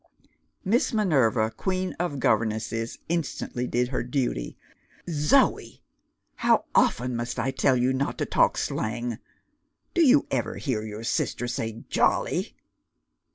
Miss Minerva, queen of governesses, instantly did her duty. "Zoe! how often must I tell you not to talk slang? Do you ever hear your sister say 'Jolly?